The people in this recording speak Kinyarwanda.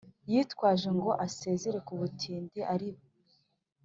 yitwaje ngo asezere ku butindi ariba